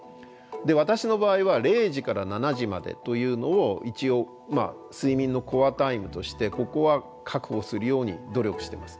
私の場合は０時から７時までというのを一応睡眠のコアタイムとしてここは確保するように努力してます。